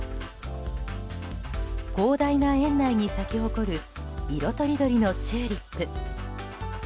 広大な園内に咲き誇る色とりどりのチューリップ。